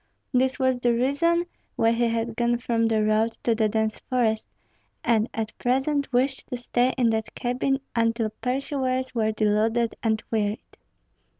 This was the reason why he had gone from the road to the dense forest, and at present wished to stay in that cabin until pursuers were deluded and wearied.